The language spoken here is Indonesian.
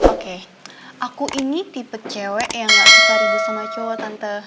oke aku ini tipe cewek yang gak kita ribut sama cowok tante